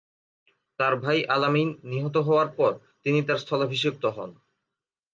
তার ভাই আল আমিন নিহত হওয়ার পর তিনি তার স্থলাভিষিক্ত হন।